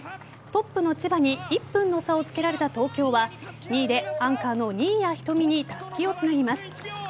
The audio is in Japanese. トップの千葉に１分の差をつけられた東京は２位でアンカーの新谷仁美にたすきをつなぎます。